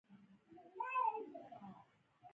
سړک د خلکو د حقونو برخه ده.